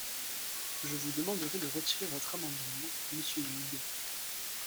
Je vous demanderai de retirer votre amendement, monsieur Huyghe.